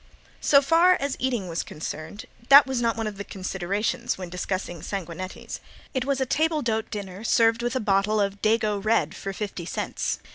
So far as eating was concerned that was not one of the considerations when discussing Sanguinetti's. It was a table d'hote dinner served with a bottle of "Dago red," for fifty cents.